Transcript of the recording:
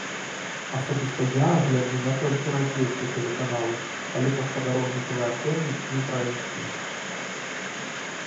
Асабіста я гляджу не толькі расейскія тэлеканалы, але па спадарожнікавай антэне і ўкраінскія.